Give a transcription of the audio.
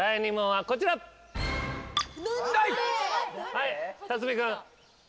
はい辰巳君。